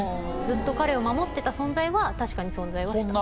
ずっと彼を守っていた存在は確かに存在はした？